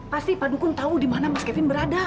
pasti pak dukun tahu dimana mas kevin berada